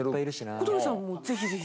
小峠さんもぜひぜひぜひ。